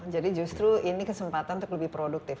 jadi justru ini kesempatan untuk lebih produktif